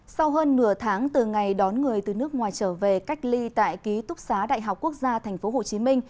sau hơn nửa tháng từ ngày đón người từ nước ngoài trở về cách ly tại ký túc xá đại học quốc gia tp hcm